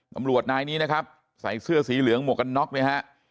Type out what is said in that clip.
ตำรวจนายนี้นะครับใส่เสื้อสีเหลืองหมวกกันน็อกเนี่ยฮะ